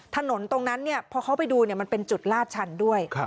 ถนนตรงนั้นพอเขาไปดูมันเป็นจุดลาดชันด้วย